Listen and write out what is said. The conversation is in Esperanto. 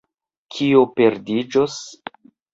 Kio perdiĝos?